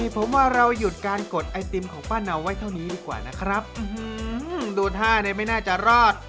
ผมว่าเราหยุดการกดไอติมของป้าเนาไว้เท่านี้ดีกว่านะครับโดน๕เนี่ยไม่น่าจะรอด